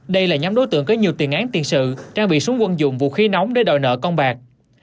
đây là nhóm đối tượng có nhiều tiền án tiền sự trang bị súng quân dụng vũ khí nóng để đòi nợ công bạc